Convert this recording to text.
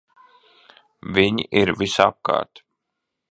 Viņi ir visapkārt!